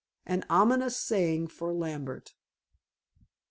an ominous saying for Lambert.